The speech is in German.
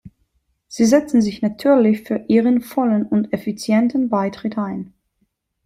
Sie setzen sich natürlich für ihren vollen und effizienten Beitritt ein.